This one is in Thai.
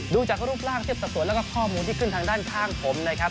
ดูจากรูปร่างเทียบสัดส่วนแล้วก็ข้อมูลที่ขึ้นทางด้านข้างผมนะครับ